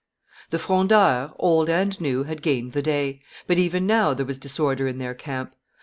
The Frondeurs, old and new, had gained the day; but even now there was disorder in their camp.